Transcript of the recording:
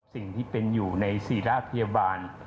สิ่งที่เป็นอยู่ในศิราพยาบาล